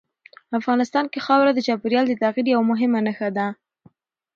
افغانستان کې خاوره د چاپېریال د تغیر یوه مهمه نښه ده.